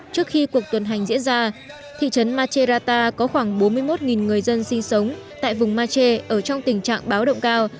trước khi cuộc tuần hành diễn ra thị trấn machérata có khoảng bốn mươi một người dân sinh sống tại vùng mache ở trong tình trạng báo động cao